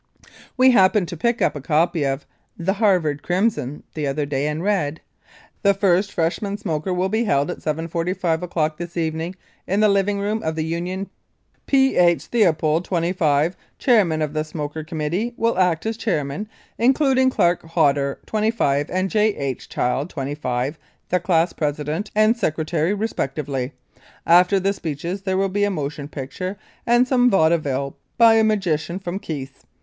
We happened to pick up a copy of "The Harvard Crimson" the other day and read: "The first freshman smoker will be held at 7.45 o'clock this evening in the living room of the Union. P. H. Theopold, '25, Chairman of the Smoker Committee, will act as Chairman, introducing Clark Hodder, '25, and J. H. Child, '25, the Class President and Secretary respectively. After the speeches there will be a motion picture, and some vaudeville by a magician from Keith's.